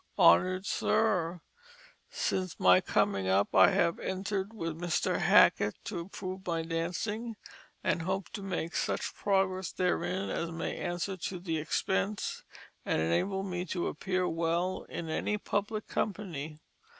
"HONOUR'D SIR: "Since my coming up I have entered with Mr. Hackett to improve my Dancing, and hope to make such Progress therein as may answer to the Expense, and enable me to appear well in any Public Company.